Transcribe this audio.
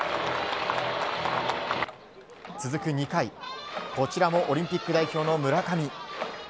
続く２回こちらもオリンピック代表の村上。